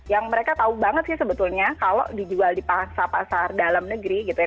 yang mereka tahu banget sih sebetulnya kalau dijual di pasar pasar dalam negeri gitu ya